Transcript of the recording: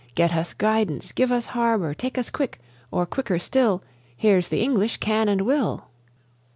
Get us guidance, give us harbour, take us quick or, quicker still, Here's the English can and will!"